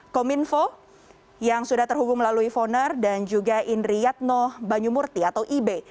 kominfo yang sudah terhubung melalui foner dan juga indriyatno banyumurti atau ibe